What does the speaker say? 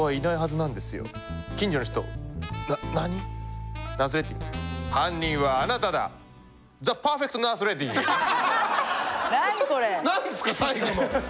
なんですか最後の！